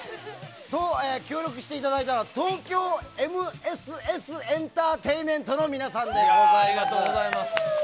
協力していただいたのは東京ＭＳＳエンターテイメントの皆さんです。